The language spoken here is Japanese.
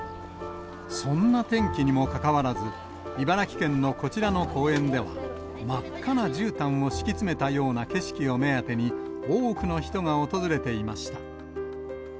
そんな天気にもかかわらず、茨城県のこちらの公園では、真っ赤なじゅうたんを敷き詰めたような景色を目当てに、多くの人が訪れていました。